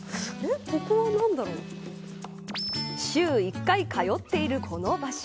週１回通っているこの場所。